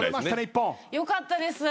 よかったです。